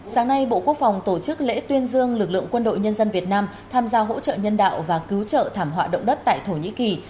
sáng nay bộ quốc phòng tổ chức lễ tuyên dương lực lượng quân đội nhân dân việt nam tham gia hỗ trợ nhân đạo và cứu trợ thảm họa động đất tại thổ nhĩ kỳ